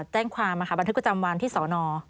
แจ้งความบันทึกประจำวันที่สอนอ